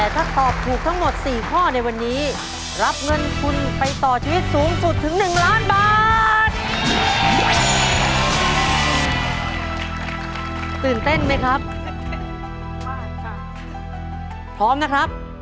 ตอบถูก๒ข้อรับ๑๐๐๐บาท